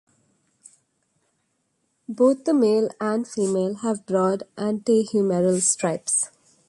Both the male and female have broad antehumeral stripes.